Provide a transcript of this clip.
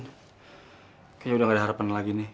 kayaknya udah gak ada harapan lagi nih